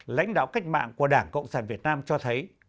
lãnh đạo cách mạng của đảng cộng sản việt nam cho thấy